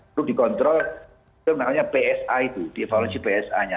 itu dikontrol itu namanya psa itu dievaluasi psa nya